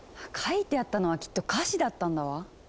書いてあったのはきっと歌詞だったんだわ！